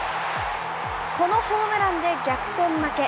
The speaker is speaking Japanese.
このホームランで逆転負け。